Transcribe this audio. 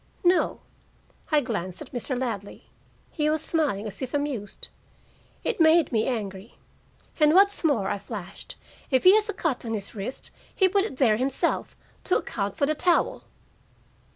"No." I glanced at Mr. Ladley: he was smiling, as if amused. It made me angry. "And what's more," I flashed, "if he has a cut on his wrist, he put it there himself, to account for the towel."